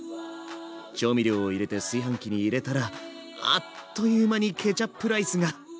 調味料を入れて炊飯器に入れたらあっという間にケチャップライスが。